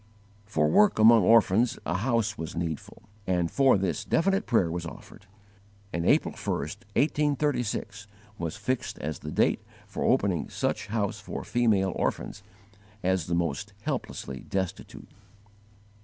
For work among orphans a house was needful, and for this definite prayer was offered; and April 1, 1836, was fixed as the date for opening such house for female orphans, as the most helplessly destitute.